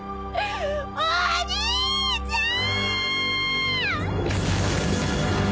お兄ちゃぁん！！